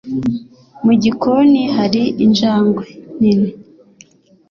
Mu gikoni hari injangwe nini